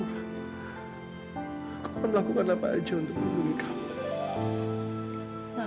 aku akan lakukan apa aja untuk membunuh kamu